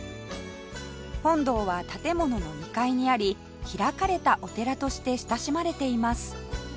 本堂は建物の２階にあり開かれたお寺として親しまれています